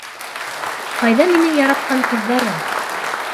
— Ҡайҙа минең яратҡан ҡыҙҙарым?